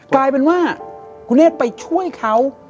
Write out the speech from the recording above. กลายเป็นว่าคุณเนธไปช่วยเขา